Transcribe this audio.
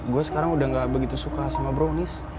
gue sekarang udah gak begitu suka sama brownies